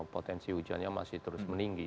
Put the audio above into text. potensi hujannya masih terus meninggi